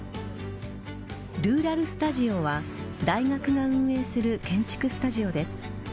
ルーラル・スタジオは大学が運営する建築スタジオです。